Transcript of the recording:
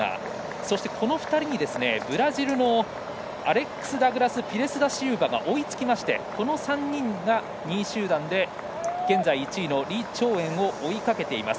そしてこの２人にブラジルのアレックスダグラス・ピレスダシウバが追いつきましてこの３人が２位集団で、１位の李朝燕を追いかけています。